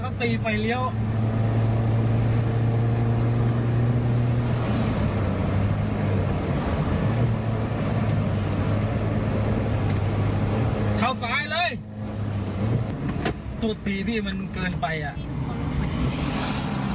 เดี๋ยวชนเดี๋ยวชนเดี๋ยวรู้มันหาเรื่องตั้งแต่แรกแล้วเขาตีไฟเลี้ยว